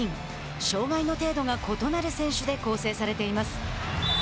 障害の程度が異なる選手で構成されています。